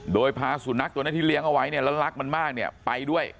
โดยพาสุนัขตัวนี้ที่เลี้ยงเอาไว้เนี่ยแล้วรักมันมากเนี่ยไปด้วย